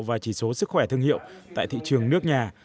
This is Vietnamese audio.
và chỉ số sức khỏe thương hiệu tại thị trường nước nhà